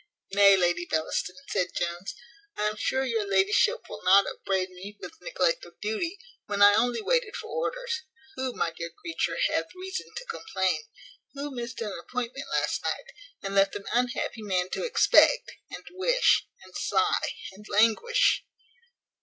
"Nay, Lady Bellaston," said Jones, "I am sure your ladyship will not upbraid me with neglect of duty, when I only waited for orders. Who, my dear creature, hath reason to complain? Who missed an appointment last night, and left an unhappy man to expect, and wish, and sigh, and languish?"